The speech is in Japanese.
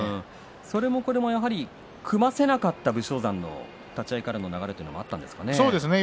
それもこれも組ませなかった武将山の立ち合いからの流れがあったんそうですね。